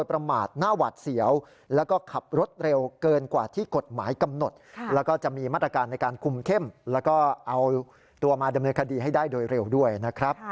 เร็วด้วยนะครับ